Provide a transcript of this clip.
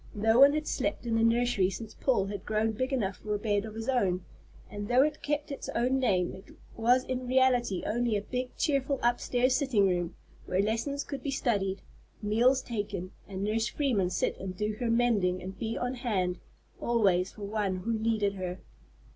No one had slept in the nursery since Paul had grown big enough for a bed of his own; and though it kept its own name, it was in reality only a big, cheerful upstairs sitting room, where lessons could be studied, meals taken, and Nurse Freeman sit and do her mending and be on hand always for any one who wanted her.